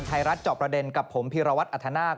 ไทยรัฐจอบประเด็นกับผมภิระวัทธิ์อธนาค